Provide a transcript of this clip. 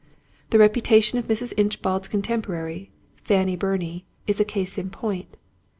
The reputation of Mrs. Inchbald's contemporary, Fanny Burney, is a case in point.